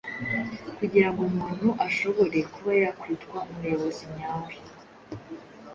kugira ngo umuntu ashobore kuba yakwitwa umuyobozi nyawe.